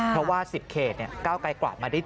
เพราะว่า๑๐เขตก้าวไกลกลับมาได้